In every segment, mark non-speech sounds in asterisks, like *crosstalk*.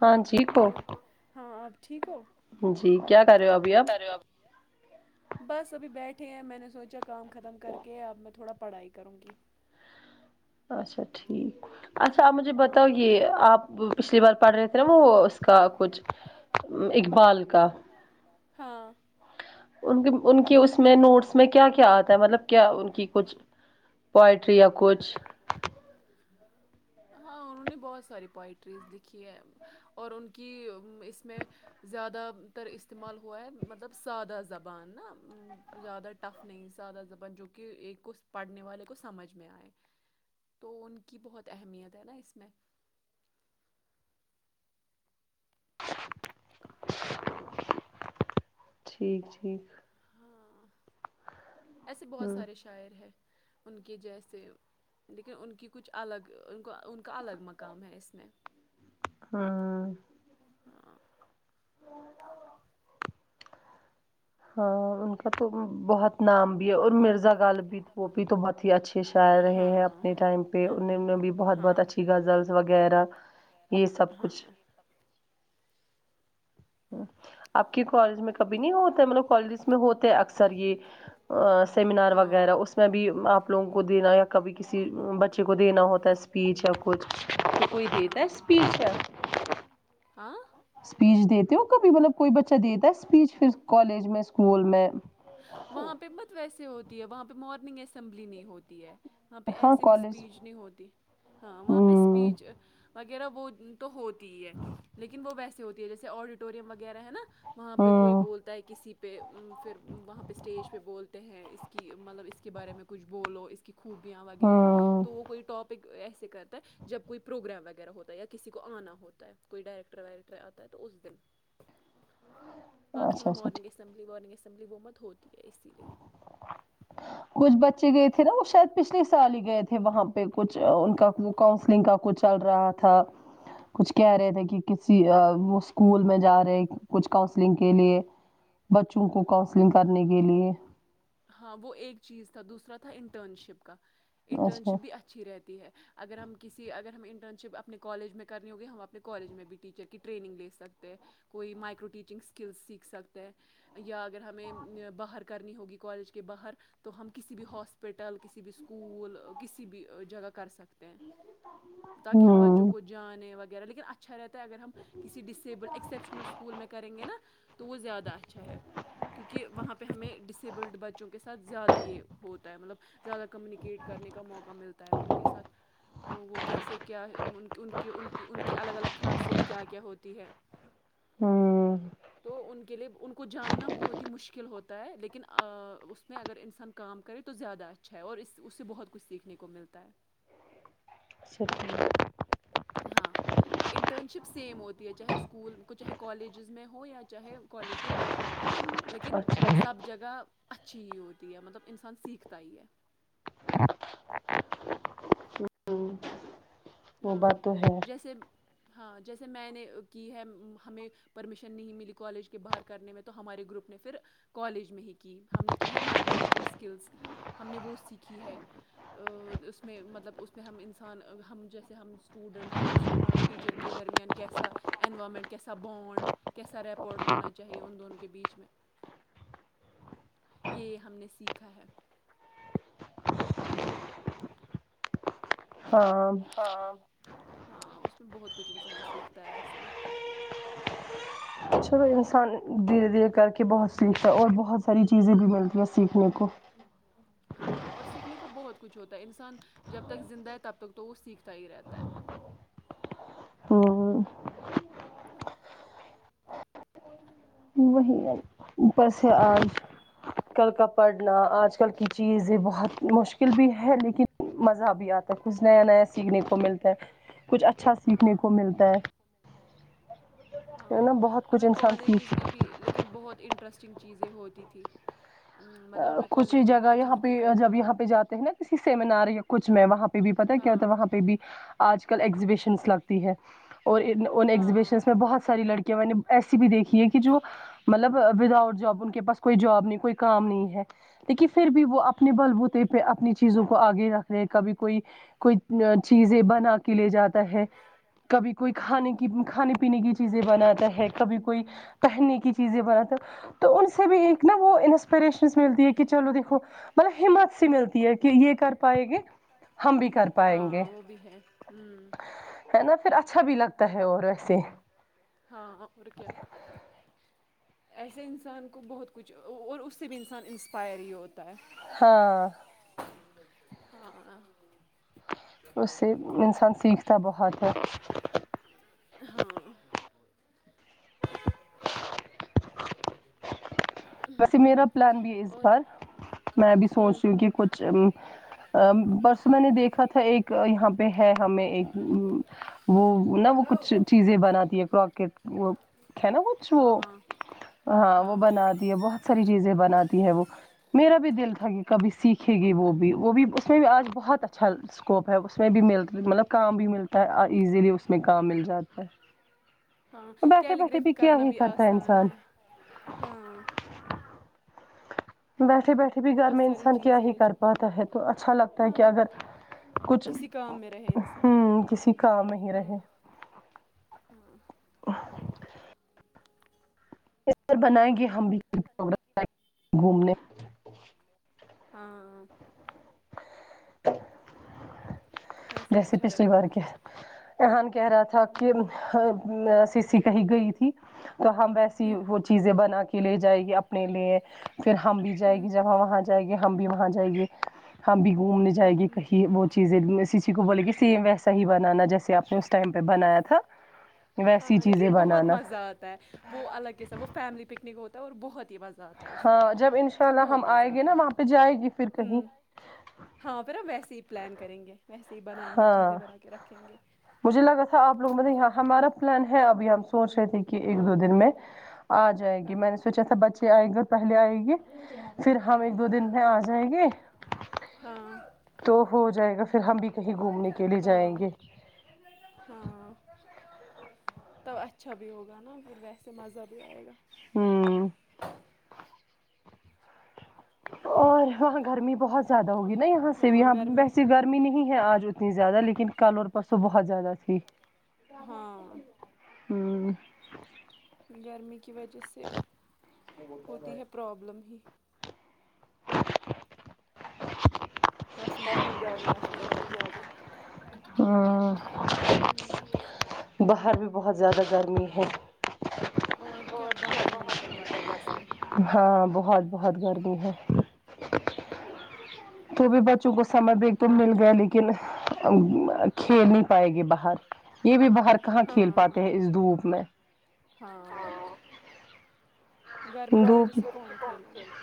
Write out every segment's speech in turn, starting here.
ہاں جی کہو جی کیا کر رہے ہو ابھی آپ بس ابھی بیٹھے ہیں میں نے سوچا کام ختم کرکے اب میں تھوڑا پڑھائی کروں گی اچھا ٹھیک اچھا آپ مجھے بتاؤ یہ آپ پچھلی بار پڑھ رہے تھے ناں وہ اس کا کچھ اقبال کا ہاں ان کی ان کی اس اس میں نوٹس میں کیا کیا آتا ہے مطلب کیا ان کی کچھ پوئٹری یا کچھ ہاں انہوں نے بہت ساری پوئٹریز لکھی ہے اور ان کی اس میں زیادہ تر استعمال ہوا ہے مطلب سادہ زبان نہ زیادہ ٹف نہیں سادہ زبان جو کہ ایک کو پڑھنے والے کو سمجھ میں آئے تو ان کی بہت اہمیت ہے ناں اس میں *inaudible* ٹھیک ٹھیک ہاں ایسے بہت سارے شاعر ہے ان کے جیسے لیکن ان کی کچھ الگ ان کو ان کا الگ مقام ہے اس میں ہاں ہاں ہاں ان کا تو بہت نام بھی ہے اور مرزا غالب بھی وہ بھی تو بہت ہی اچھے شاعر رہے ہیں اپنے ٹائم پہ ان میں بھی بہت بہت اچھی غزلز وغیرہ وغیرہ ہاں آپ کے کالج میں کبھی نہیں ہوتا مطلب کالج میں ہوتے ہیں اکثر یہ سیمینار وغیرہ اس اس میں بھی آپ لوگوں کو دینا یا کبھی کسی بچے کو دینا ہوتا ہے اسپیچ یا کچھ کوئی دیتا ہے اسپیچ کیا *inaudible* اسپیچ دیتے ہو کبھی مطلب کوئی بچہ دیتا ہے اسپیچ پھر کالج میں اسکول میں وہاں پہ مت ویسے ہوتی ہے وہاں پہ مارننگ اسمبلی نہیں ہوتی ہے وہاں پہ ایسے بھی اسپیچ نہیں ہوتی ہاں وہاں پہ اسپیچ وغیرہ وہ تو ہوتی ہے لیکن وہ ویسے ہوتی ہے جیسے آڈیٹوریم وغیرہ ہے نا وہاں پہ کوئی بولتا ہے کسی پہ پھر وہاں پہ اسٹیج پہ بولتے ہیں اس کی مطلب اس کے بارے میں کچھ بولو اس کی خوبیاں وغیرہ تو وہ کوئی ٹاپک ایسے کرتے ہے جب کوئی پروگرام وغیرہ ہوتا ہے یا کسی کو آنا ہوتا ہے کوئی ڈائریکٹر وائیریکٹر آتا ہے تو اس دن باقی ہمیں مارننگ اسمبلی وارننگ اسمبلی وہ مت ہوتی ہے اسی لیے کچھ بچے گئے تھے نا وہ شاید پچھلے سال ہی گئے تھے بہت پہ کچھ ان کا وہ کانسلنگ کا کچھ چل رہا تھا کچھ کہہ رہے تھے کہ ک اسکول میں جا رہے کچھ کانسلنگ کے لیے ب بچوں کو کونسلنگ کرنے کے لیے ہاں وہ ایک چیز تھا دوسرا تھا انٹرن شپ کا انٹرن شپ بھی اچھی رہتی ہے اگر ہم کسی اگر ہم انٹرن شپ اپنے کالج میں کرنی ہوگی ہم اپنے کالج میں بھی ٹیچر کی ٹریننگ لے سکتے ہیں کوئی مائکرو ٹیچنگ اسکلس سیکھ سکتے ہے یا اگر ہمیں باہر کرنی ہوگی کالج کے باہر تو ہم کسی بھی ہاسپٹل کسی بھی اسکول کسی بھی جگہ کر سکتے ہیں تاکہ ہم بچوں کو جانیں وغیرہ لیکن اچھا رہتا اگر ہم کسی ڈیسبل ایکسیپشنل اسکول میں کریں گے نا تو وہ زیادہ اچھا ہے کیونکہ وہاں پہ ہمیں ڈسیبلڈ بچوں کے ساتھ زیادہ یہ ہوتا ہے مطلب زیادہ کمیونیکیٹ کرنے کا موقع ملتا ہے ان کے ساتھ تو وہ کیسے کیا ان ان کی ان ان کی الگ الگ خاصیت کیا کیا ہوتی ہے تو ان کے لیے ان جاننا بہت ہی مشکل ہوتا ہے لیکن اس میں اگر انسان کام کرے تو زیادہ اچھا ہے اور اس اس سے بہت کچھ سیکھنے کو ملتا ہے *inaudible* ہاں انٹرن شپ سیم ہوتی ہے چاہے اسکول کو چاہے کالجز میں ہو یا چاہے کالج کے باہر ہو ہ *inaudible* لیکن سب جگہ اچھی ہی ہوتی ہے مطلب انسان سیکھتا ہی ہے ہاں جیسے ہاں جیسے میں نے کی ہے ہمیں پرمیشن نہیں ملی کالج کے باہر کرنے میں تو ہمارے گروپ نے پھر کالج میں ہی کی ہم نے کی ہے مائیکرو ٹیچنگ اسکلس ہم نے وہ سیکھی ہے اس میں مطلب اس میں ہم انسان ہم جیسے کہ ہم اسٹوڈنٹ ہیں اسٹوڈنٹ اور ٹیچر کے درمیان کیسا انوائرمنٹ کیسا بونڈ کیسا ریپرٹ ہونا چاہیے ان دونوں کے بیچ میں یہ ہم نے سیکھا ہے ہاں ہاں اس میں بہت کچھ انسان سیکھتا ہے ایسے ہی چلو انسان دھیرے دھیرے کر کے بہت سیکھتا ہے اور بہت ساری چیزیں بھی ملتی ہیں سیکھنے کو ہاں اور سیکھنے کو بہت کچھ ہوتا ہے انسان جب تک زندہ ہے تب تک تو وہ سیکھتا ہی رہتا ہے ہاں ہاں وہی ہے اوپر سے آج کل کا پڑھنا آج کل کی چیزیں بہت مشکل بھی ہے لیکن مزہ بھی آتا ہے کچھ نیا نیا سیکھنے کو ملتا ہے کچھ اچھا سیکھنے کو ملتا ہے ہاں ہمیں کالجس میں بھی لیکن بہت انٹ انٹرسٹنگ چیزیں ہوتی تھیں مطلب ہمیں کالج میں بہت چیزیں تھی کرنے پہ جاتے ہیں نا کسی سیمینار یا کچھ میں وہاں پہ بھی پتا ہے کیا ہوتا ہے وہاں پہ بھی آج کل ایگزیبیشنس لگتی ہے اور ان ایگزیبیشنس میں بہت ساری لڑکیاں میں نے ایسی بھی دیکھی ہے کہ جو مطلب ود آؤٹ جاب ان کے پاس کوئی جاب نہیں کوئی کام نہیں ہے لیکن پھر بھی وہ اپنے بل بوتے پہ اپنی چیزوں کو آگے رکھ رہے ہیں کبھی کوئی کوئی چیزیں بنا کے لے جاتا ہے کبھی کوئی کھانے کی کھانے پینے کی چیزیں بناتا ہے کبھی کوئی پہننے کی چیزیں بناتا تو ان سے بھی ایک نا وہ انسپریشن سے ملتی ہے کہ چلو دیکھو مطلب ہمت سی ملتی ہے کہ یہ کر پائیں گے ہم بھی کر ہاں وہ بھی ہے ھمم ہے نا پھر اچھا بھی لگتا ہے اور ایسے ہاں اور کیا ایسے انسان کو بہت کچھ اور اس سے بھی انسان انسپائر ہی ہوتا ہے ہاں ہاں اس سے انسان سیکھتا بہت ہے ہاں ویسے میرا پلان بھی ہے اس بار میں بھی سوچ رہی تھی کہ کچھ بس میں نے دیکھا تھا ایک یہاں پہ ہے ہمیں ایک وہ نہ وہ کچھ چیزیں بناتی ہے کروکٹ وہ ہے نا کچھ وہ ہاں وہ بنا بہت ساری چیزیں بناتی ہے وہ میرا بھی دل تھا کہ کبھی سیکھے گی وہ بھی وہ بھی اس سے بھی آج بہت اچھا اسکوپ ہے اس میں بھی مل مطلب کام بھی ملتا ہے ایزیلی اس میں کام مل جاتا ہے بیٹھے بیٹھے بھی کیا ہی کرتا ہے انسان بیٹھے بیٹھے کبھی گھر میں انسان کیا ہی کر پاتا ہے تو اچھا لگتا ہے کہ اگر کچھ ہوں کسی کا نہیں رہے ہاں بنائیں گے ہم *inaudible* گھومنے ہاں جیسے پچھلی بار کیا ہم کہہ رہا تھا کہ سی سی کہی گئی تھی تو ہم ویسی وہ چیزیں بنا کے لے جائےیں گی اپنے لیے پھر ہم بھی جائے گی جب ہم وہاں جائیں گے ہم بھی وہاں جائیں گے ہم بھی گھومنے جائیں گے کہیں وہ چیزے لیے سیسی کو بولے کہ سیم ویس وہ بولی کی *unintelligible* ا ہاں لیکن بہت مزہ آتا ہے وہ الگ ہی سا وہ فیملی پکنک ہوتا ہے اور بہت ہی مزہ آتا ہے اس میں اس میں بہت مزہ آتا ہے ہاں پھر ہم ویسے ہی پلان کریں گے ویسے ہی بنائیں گے چیزیں بنا کے رکھیں گے مجھے لگا تھا آپ لوگوں نے یہاں ہمارا پلان ہے ابھی ہم سوچ رہے تھے کہ ایک دو دن میں آ جائے گی میں نے سوچا تھا بچے آئے گے پہلے آئے گی پھر ہم ایک دو دن میں آجائے گے ہاں تو ہو جائے گا پھر ہم بھی کہیں گھومنے کے لیے جائیں گے ہاں تو اچھا بھی ہوگا نا پھر ویسے مزہ بھی آئے گا ہوں اور وہاں گرمی بہت زیادہ ہوگی نا یہاں سے بھی یہاں ویسسی گرمی نہیں ہے آج اتنی زیادہ لیکن کل اور پرسوں بہت زیادہ تھی ہوں گرمی کی وجہ سے ہوتی ہے پرابلم ہی کافی گرمی ہے کافی زیادہ ابھی ویست ہے کرپیا باہر بھی بہت زیادہ گرمی ہے اور کیا باہر ہی نہیں نکل پاتا ہے انسان ہاں بہت بہت گرمی ہے تو بھی بچوں کو سمج بییک تو مل گیا لیکن کھیل نہیں پائے گی باہر یہ بھی باہر کہاں کھیل پاتے ہیں اس دھوپ میں ہاں دھوپ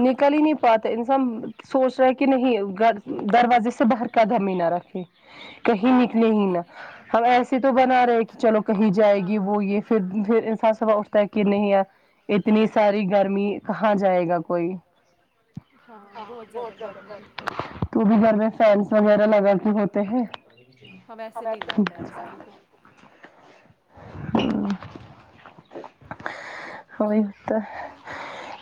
نکل ہی نہیں پاتے انسان سوچ رہا کہ نہیں گھر دروازے سے باہر قدم ہی نہ رکھے کہیں نکلے ہی نہ ہم ایسے تو بنا رہے ہیں کہ چلو کہی جائے گی وہ یہ پھر پھر انسان سوا اٹھتا ہے کہ نہیں یار اتنی ساری گرمی کہاں جائے گا کوئی ہاں بہت زیادہ گرمی ہے تو بھی گھر میں فینس وغیرہ لگا کے ہوتے ہیں ہم وہی تو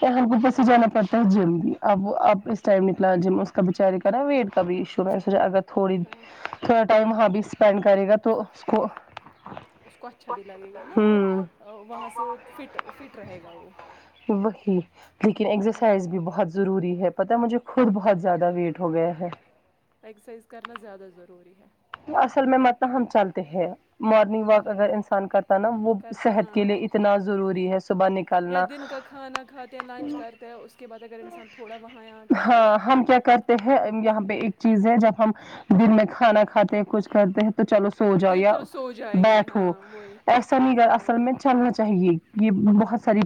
یہاں کے اوپر سے جانا پڑتا ہے جم بھی اب اب اس ٹائم نکلا جم اس کا بچارے ویٹ کا بھی ایشو نہیںو اگر تھوڑی تھوڑا ٹائم وہاں بھی اسپینڈ کرے گا تو اس کو اس کو اچھا بھی لگے گا نا اور وہاں سے وہ فٹ فٹ رہے گا وہ وہی لیکن ایکگزرسائز بھی بہت ضروری ہے پتا مجھے خود بہت زیادہ ویٹ ہو گیا ہے اکسرسائز کرنا زیادہ ضروری ہے اصل میں مت ہم چلتے ہیں مارننگ واک اگر انسان کر نا وہ صحت کے لیے اتنا ضروری ہے صبح نکالنا ہاں ہم کیا کرتے ہیں یہاں پہ ایک چیز ہے جب ہم دن میں کھانا کھاتے ہیں کچھ کرتے ہیں تو چلو سو جاؤ یا بیٹھو سنیگر اصل میں چلنا چاہیے یہ بہت ساری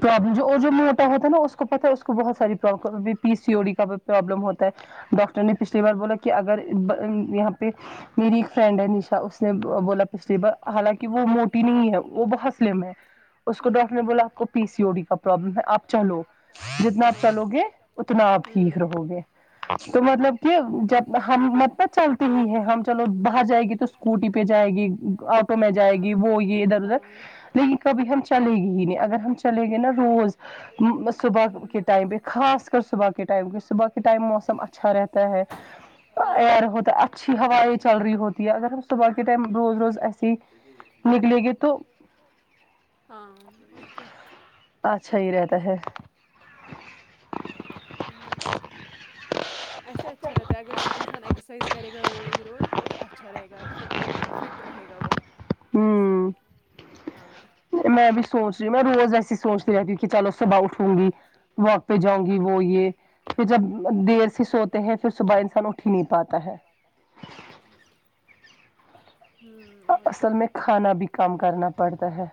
پرابلم جو موٹا ہوتا نا اس کو پت ہے اس کو بہت ساری problem P C O D کا پرابلم ہوتا ہے ڈاکٹر نے پچھلی بار بولا کہ اگر یہاں پہ میری ایک فرینڈ ہے اچھا اس نے بولا پچھلی بار حالانکہ وہ موٹی نہیں ہے وہ بہت سلیم ہے اس کو ڈاکٹر نے بولا آپ کو پی سی او ڈی کا پرابلم ہے آپ کو چلو جتنا آپ چلو گے اتنا آپ ٹیک رہو گے تو مطلب کہ جب ہم مطب چل ہی ہے ہم چلو باہر جائے گی تو اسکوٹی پہ جائے گی آٹو میں جائے گی وہ یہ ادھر ادھر لیکن کبھی ہم چلے گے ہی نہیں اگر ہم چلیں گے نا روز صبح کے ٹائم پہ خاص کر صبح کے ٹائم کی صبح کے ٹائم موسم اچھا رہتا ہے ایئر ہوتا ہے اچھی ہوائ چل رہی ہوتی ہے اگر ہم صبح کے ٹائم روز روز ایسی ھی س پاور وور ہاں اور کیا اچھا ہی رہتا ہے ہوں ایسے اچھا رہتا ہے اگر انسان ایگسرسائز کرے گا روز روز پھر اچھا رہے گا پھر فٹ رہے گا وہ ایسے ہاں میں بھی سوچ رہی ہوں میں روز ویسی سوچ رہی رہتی کہ چلو صبح اٹھوں گی واک پہ جاؤں گی وہ یہ پھر جب دیر سے سوتے ہیں پھر صبح انسان اٹھ ہی نہیں پاتا ہے *unintelligible* نک اصل میں کھانا بھی کم کرنا پڑتا ہے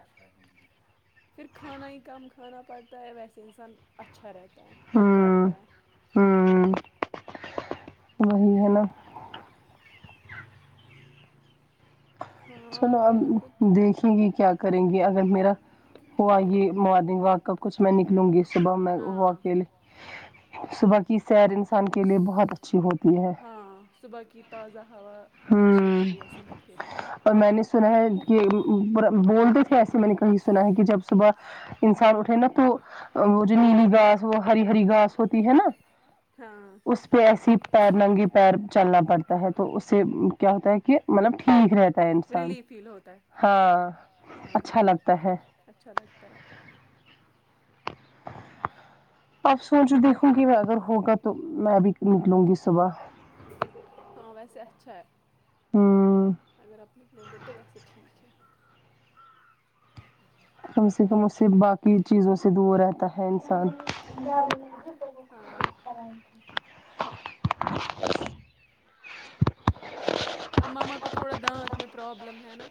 پھر کھانا ہی کم کھانا پڑتا ہے ویسے انسان اچھا رہتا ہے ہلکا رہتا ہے ہاں وہی ہے نا چلو اب دیکھیں گی کیا کریں گی اگر میرا ہو آ یہ مارننگ واک کا کچھ میں نکلوں گی صبح میں و کے لیے صبح کی سیر انسان کے لیے بہت اچ ہاں صبح کی تازہ ہوا اچھی ہوتی ہے صحت کے لیے اور میں نے سنا ہے کہ بولتے تھے ایسے میں نے کہیں سنا ہے کہ جب صبح انسان اٹھے نا تو وہ جو نیلی گاس وہ ہری ہری گاس ہوتی ہے نا اس پہ ایسی پیر ننگے پیر چلنا پڑتا ہے تو اس سے کیا ہوتا ہے کہ مطلب ٹھیک رہتا انسان ہاں اچھا لگتا ہے اچھا لگتا ہے آپ سوچو دیکھوں گی اگر ہوگا تو میں بھی نکلوں گی صبح ہاں ویسے اچھا ہے اگر اپنی لوگ تو ویسے ٹھیک ہے کم سے کم اس سے باقی چیزوں سے دور رہتا ہے انسان ہاں اب مما کو تھوڑا دانت میں پ پررابلم ہے نا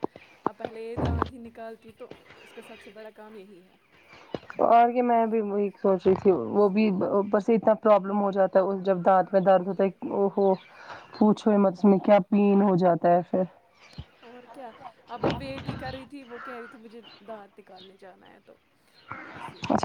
اپ پہلے یہ دہ آدھی نکالتی تو اس کا سب سے بڑا کام یہی ہے اور کہ میں بھی وہی سوچ رہی تھی وہ بھی بس اتنا پرابلم ہو جاتا ہے اس جب دانت میں درد ہوتا ہے اوہو پوچھو مت اس میں کیا پین ہو جاتا ہے پھر اور کیا اب وہ ویٹ ہی کر رہی تھی وہ کہہ رہی تھی مجھے دانت نکالنے جانا ہے تو اسی لیے